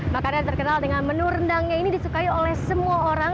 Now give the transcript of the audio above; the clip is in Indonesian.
makanan yang terkenal dengan menu rendangnya ini disukai oleh semua orang